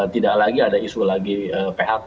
tidak lagi ada isu lagi phk